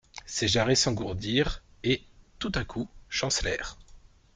Ses jarrets s'engourdirent, et, tout à coup, chancelèrent.